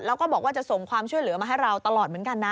แล้วก็บอกว่าจะส่งความช่วยเหลือมาให้เราตลอดเหมือนกันนะ